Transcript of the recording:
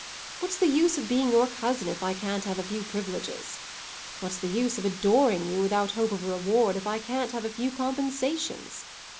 What's the use of being your cousin if I can't have a few privileges? What's the use of adoring you without hope of a reward if I can't have a few compensations?